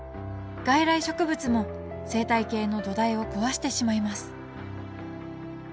外来植物も生態系の土台を壊してしまいます